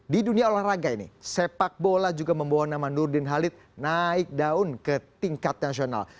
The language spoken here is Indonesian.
di dunia olahraga ini sepak bola juga membawa nama nurdin halid naik daun ke tingkat nasional